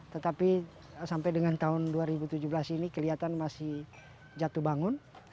tetapi sampai dengan tahun dua ribu tujuh belas ini kelihatan masih jatuh bangun